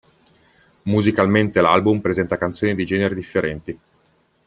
Musicalmente l'album presenta canzoni di generi differenti.